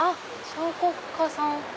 彫刻家さん。